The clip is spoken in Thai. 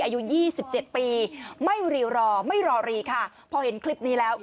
อายุยี่สิบเจ็ดปีไม่รีรอไม่รอรีค่ะพอเห็นคลิปนี้แล้ว